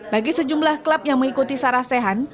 bagi sejumlah klub yang mengikuti sarasehan